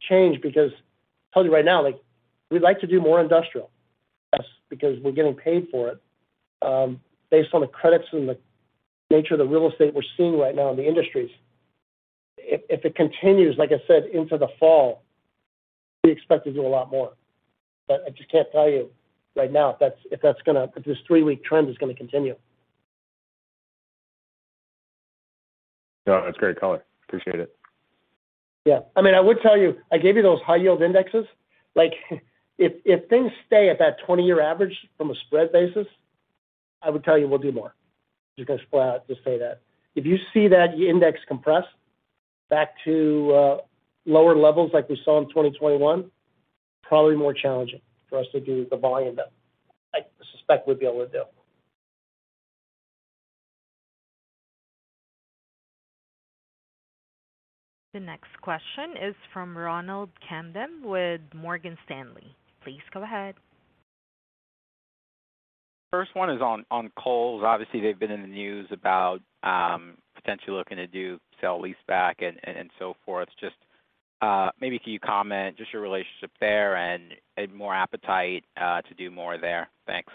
change because I'll tell you right now, like, we'd like to do more industrial. Yes, because we're getting paid for it, based on the credits and the nature of the real estate we're seeing right now in the industries. If it continues, like I said, into the fall, we expect to do a lot more. But I just can't tell you right now if this three-week trend is gonna continue. No, that's great color. Appreciate it. Yeah. I mean, I would tell you, I gave you those high yield indexes. Like, if things stay at that 20-year average from a spread basis, I would tell you we'll do more. Just gonna say that. If you see that index compress back to lower levels like we saw in 2021, probably more challenging for us to do the volume that I suspect we'd be able to do. The next question is from Ronald Kamdem with Morgan Stanley. Please go ahead. First one is on Kohl's. Obviously, they've been in the news about potentially looking to do sale-leaseback and so forth. Just maybe can you comment on your relationship there and more appetite to do more there? Thanks.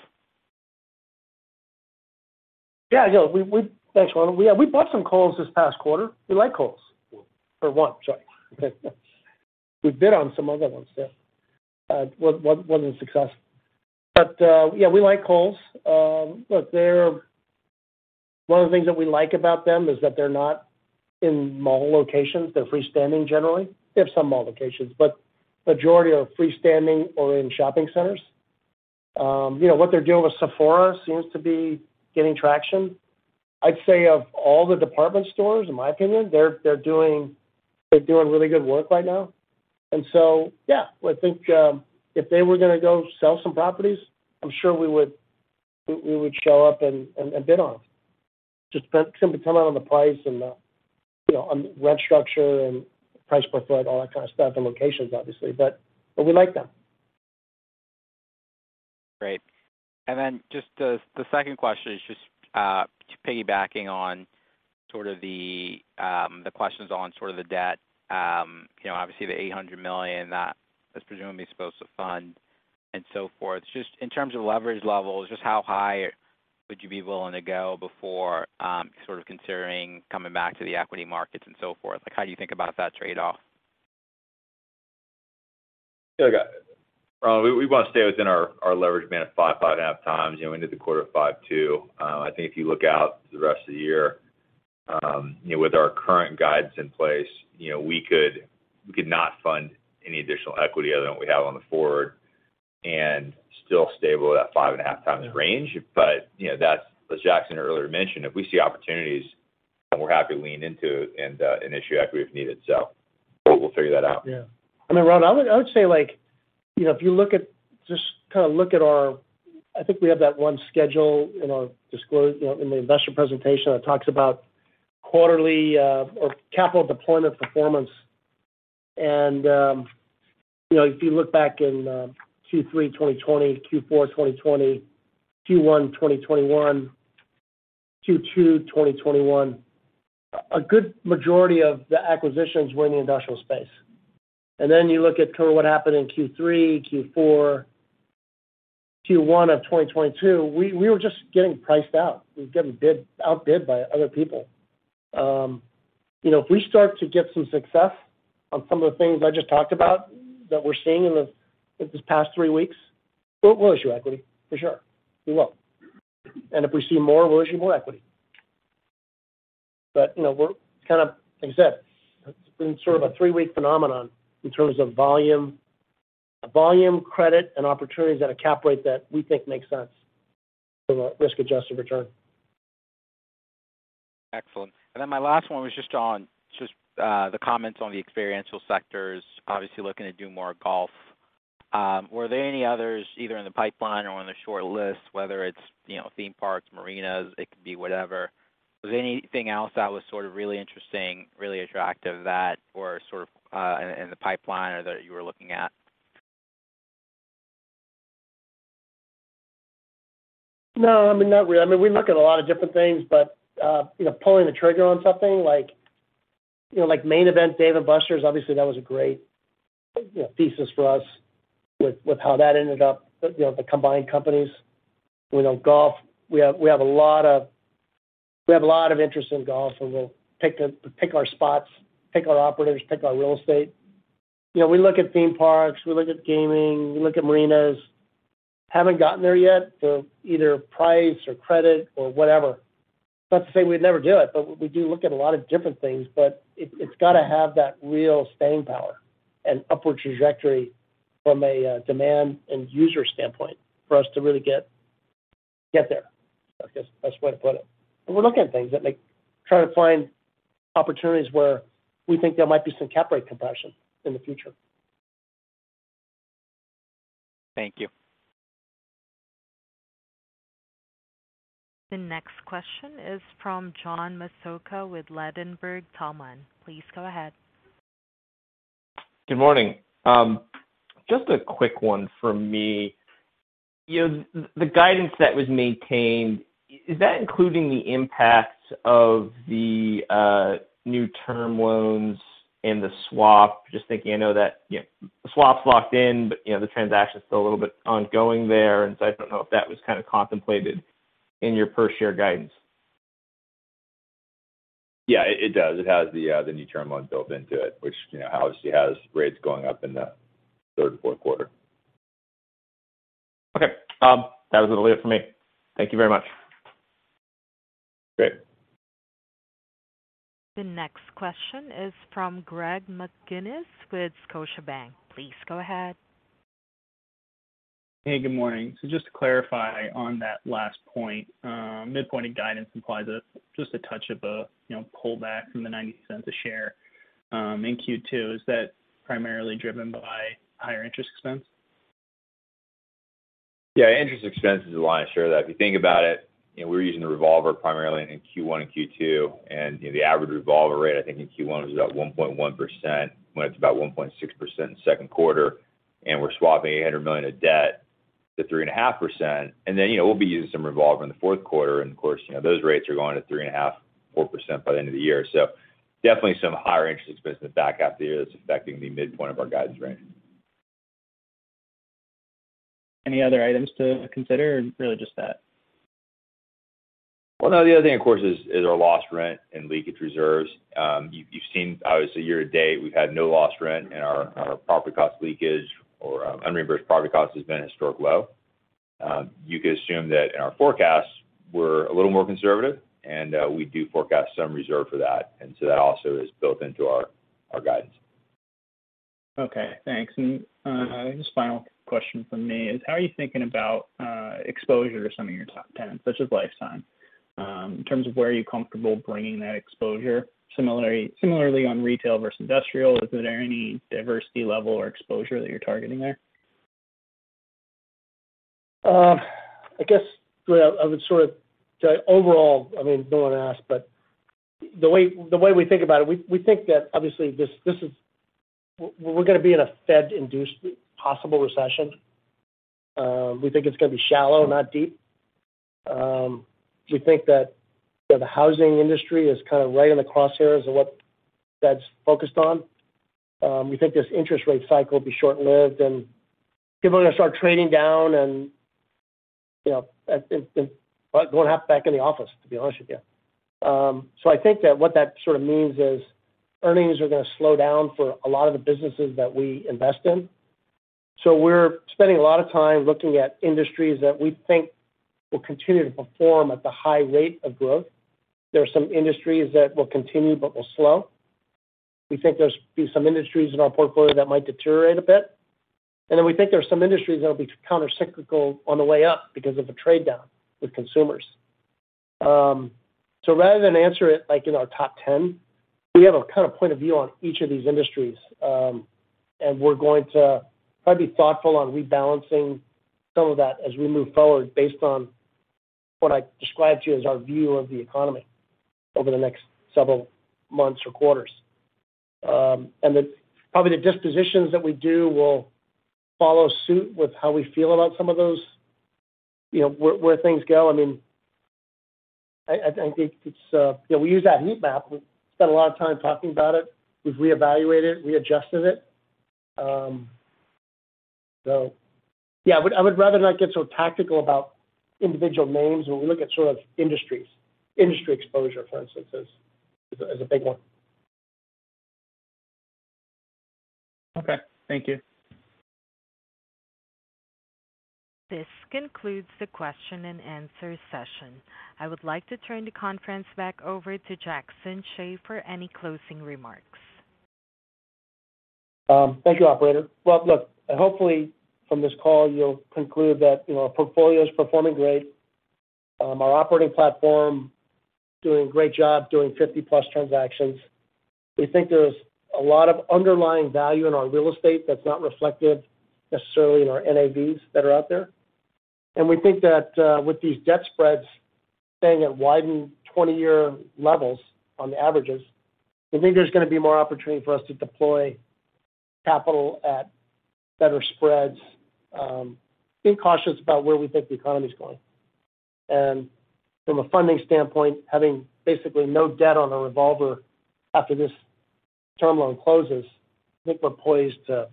Yeah, yeah. Thanks, Ronald. We bought some Kohl's this past quarter. We like Kohl's. For one. Sorry. We bid on some other ones that wasn't successful. But yeah, we like Kohl's. Look, they're one of the things that we like about them is that they're not in mall locations. They're freestanding, generally. They have some mall locations, but majority are freestanding or in shopping centers. You know, what they're doing with Sephora seems to be gaining traction. I'd say of all the department stores, in my opinion, they're doing really good work right now. Yeah, I think if they were gonna go sell some properties, I'm sure we would show up and bid on. Simply come out on the price and the, you know, on rent structure and price per foot, all that kind of stuff, and locations, obviously. We like them. Great. Just the second question is just piggybacking on sort of the questions on sort of the debt, you know, obviously the $800 million that is presumably supposed to fund and so forth. Just in terms of leverage levels, just how high would you be willing to go before sort of considering coming back to the equity markets and so forth? Like, how do you think about that trade-off? Yeah. We want to stay within our leverage band of 5.5x, you know, into the fourth quarter too. I think if you look out the rest of the year, you know, with our current guidance in place, you know, we could not fund any additional equity other than we have on the forward and still stable at that 5.5x range. You know, that's as Jackson earlier mentioned, if we see opportunities, we're happy to lean into and issue equity if needed. We'll figure that out. Yeah. I mean, Ron, I would say, like, you know, if you just kind of look at our. I think we have that one schedule in our disclosure, you know, in the investor presentation that talks about quarterly or capital deployment performance. You know, if you look back in Q3 2020, Q4 2020, Q1 2021, Q2 2021, a good majority of the acquisitions were in the industrial space. Then you look at kind of what happened in Q3, Q4, Q1 of 2022, we were just getting priced out. We're getting outbid by other people. You know, if we start to get some success on some of the things I just talked about that we're seeing in this past three weeks, we'll issue equity for sure. We will. If we see more, we'll issue more equity. You know, we're kind of, like I said, it's been sort of a three-week phenomenon in terms of volume. Volume, credit, and opportunities at a cap rate that we think makes sense from a risk-adjusted return. Excellent. My last one was just on the comments on the experiential sectors obviously looking to do more golf. Were there any others either in the pipeline or on the short list, whether it's, you know, theme parks, marinas, it could be whatever. Was there anything else that was sort of really interesting, really attractive that were sort of in the pipeline or that you were looking at? No, I mean, not really. I mean, we look at a lot of different things, but, you know, pulling the trigger on something like, you know, like Main Event, Dave & Buster's, obviously that was a great, you know, thesis for us with how that ended up, you know, the combined companies. You know, golf, we have a lot of interest in golf, so we'll pick our spots, pick our operators, pick our real estate. You know, we look at theme parks, we look at gaming, we look at marinas. Haven't gotten there yet for either price or credit or whatever. That's the thing, we'd never do it, but we do look at a lot of different things. It's gotta have that real staying power and upward trajectory from a demand and user standpoint for us to really get there. I guess best way to put it. We're looking at things that try to find opportunities where we think there might be some cap rate compression in the future. Thank you. The next question is from John Massocca with Ladenburg Thalmann. Please go ahead. Good morning. Just a quick one from me. You know, the guidance that was maintained, is that including the impact of the new term loans and the swap? Just thinking, I know that, you know, the swap's locked in, but, you know, the transaction's still a little bit ongoing there. I don't know if that was kind of contemplated in your per share guidance. Yeah, it does. It has the new term loan built into it, which, you know, obviously has rates going up in the third and fourth quarter. Okay. That was it for me. Thank you very much. Great. The next question is from Greg McGinniss with Scotiabank. Please go ahead. Hey, good morning. Just to clarify on that last point, midpoint of guidance implies just a touch of a, you know, pullback from the $0.90 a share in Q2. Is that primarily driven by higher interest expense? Yeah. Interest expense is the lion's share of that. If you think about it, you know, we're using the revolver primarily in Q1 and Q2, and, you know, the average revolver rate I think in Q1 was about 1.1%, went to about 1.6% second quarter. We're swapping $800 million of debt to 3.5%. Then, you know, we'll be using some revolver in the fourth quarter. Of course, you know, those rates are going to 3.5%-4% by the end of the year. Definitely some higher interest expense at the back half of the year that's affecting the midpoint of our guidance range. Any other items to consider or really just that? Well, no, the other thing of course is our lost rent and leakage reserves. You've seen obviously year to date, we've had no lost rent and our property cost leakage or unreimbursed property cost has been historically low. You could assume that in our forecasts we're a little more conservative and we do forecast some reserve for that. That also is built into our guidance. Okay, thanks. Just final question from me is how are you thinking about exposure to some of your top tenants such as Life Time in terms of where you're comfortable bringing that exposure similarly on retail versus industrial? Is there any diversity level or exposure that you're targeting there? I guess I would sort of say overall, I mean, no one asked, but the way we think about it, we think that obviously this is. We're gonna be in a Fed induced possible recession. We think it's gonna be shallow, not deep. We think that, you know, the housing industry is kind of right in the crosshairs of what that's focused on. We think this interest rate cycle will be short-lived and people are gonna start trading down and, you know, going to have to go back in the office to be honest with you. I think that what that sort of means is earnings are gonna slow down for a lot of the businesses that we invest in. We're spending a lot of time looking at industries that we think will continue to perform at the high rate of growth. There are some industries that will continue but will slow. We think there'll be some industries in our portfolio that might deteriorate a bit, and then we think there are some industries that'll be countercyclical on the way up because of a trade-down with consumers. Rather than answer it like in our top ten, we have a kind of point of view on each of these industries. We're going to probably be thoughtful on rebalancing some of that as we move forward based on what I described to you as our view of the economy over the next several months or quarters. Probably the dispositions that we do will follow suit with how we feel about some of those, you know, where things go. I mean, I think it's. You know, we use that heat map. We've spent a lot of time talking about it. We've reevaluated, readjusted it. So yeah, I would rather not get so tactical about individual names when we look at sort of industries. Industry exposure, for instance, is a big one. Okay. Thank you. This concludes the question and answer session. I would like to turn the conference back over to Jackson Hsieh for any closing remarks. Thank you, operator. Well, look, hopefully from this call you'll conclude that, you know, our portfolio is performing great. Our operating platform doing a great job doing 50+ transactions. We think there's a lot of underlying value in our real estate that's not reflected necessarily in our NAVs that are out there. We think that, with these debt spreads staying at widened 20-year levels on the averages, we think there's gonna be more opportunity for us to deploy capital at better spreads, being cautious about where we think the economy's going. From a funding standpoint, having basically no debt on a revolver after this term loan closes, I think we're poised to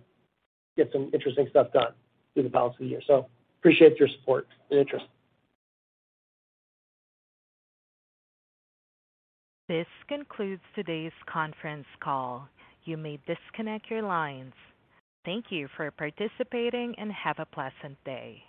get some interesting stuff done through the balance of the year. Appreciate your support and interest. This concludes today's conference call. You may disconnect your lines. Thank you for participating, and have a pleasant day.